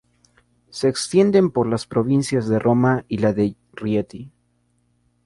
Se extienden por las provincias de Roma y la de Rieti.